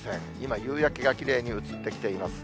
今、夕焼けがきれいに映ってきています。